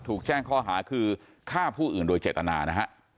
ถูกแจ้งข้อหาคือฆ่าผู้อื่นโดยเจตนานะฮะ